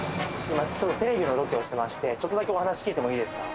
今ちょっとテレビのロケをしてましてちょっとだけお話聞いてもいいですか？